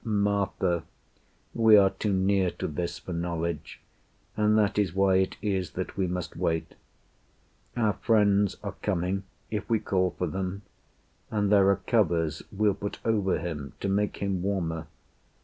Martha, we are too near to this for knowledge, And that is why it is that we must wait. Our friends are coming if we call for them, And there are covers we'll put over him To make him warmer.